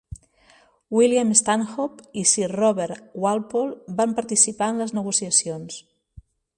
William Stanhope i Sir Robert Walpole van participar en les negociacions.